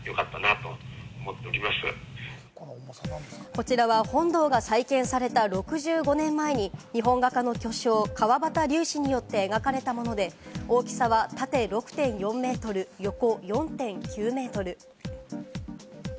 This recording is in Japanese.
こちらは本堂が再建された６５年前に日本画家の巨匠・川端龍子によって描かれたもので、大きさは縦６．４ｍ、横４．９ｍ。